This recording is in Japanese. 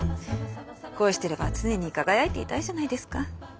恋していれば常に輝いていたいじゃないですか。